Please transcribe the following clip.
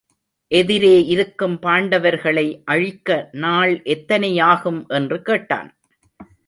எதிரே இருக்கும் பாண்டவர்களை அழிக்க நாள் எத்தனை ஆகும் என்று கேட்டான்.